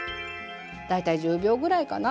大体１０秒ぐらいかな。